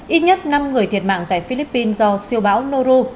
ít nhất năm người thiệt mạng tại philippines do siêu bão noru